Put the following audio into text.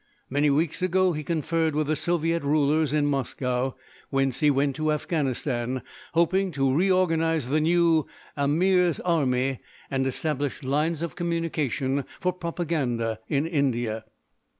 Many weeks ago he conferred with the Soviet rulers in Moscow, whence he went to Afghanistan, hoping to reorganise the new Amir's army and establish lines of communication for propaganda in India.